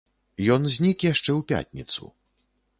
Ён знік яшчэ ў пятніцу.